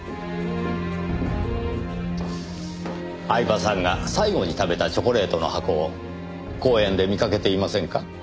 饗庭さんが最後に食べたチョコレートの箱を公園で見かけていませんか？